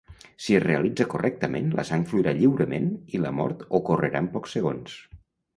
Si es realitza correctament, la sang fluirà lliurement i la mort ocorrerà en pocs segons.